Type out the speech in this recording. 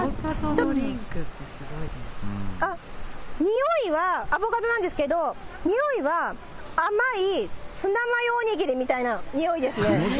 ちょっと、あっ、においはアボカドなんですけれども、においは甘いツナマヨお握りみたいなにおいですね。